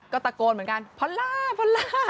ก็ตะโกนเหมือนกันพอลล่าพอลล่า